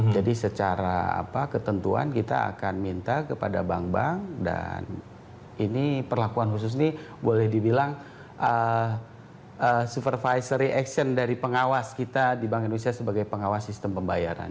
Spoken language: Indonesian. jadi secara ketentuan kita akan minta kepada bank bank dan ini perlakuan khusus ini boleh dibilang supervisory action dari pengawas kita di bank indonesia sebagai pengawas sistem pembayaran